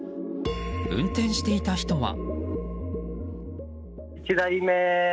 運転していた人は。